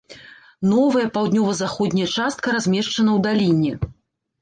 Новая, паўднёва-заходняя частка размешчана ў даліне.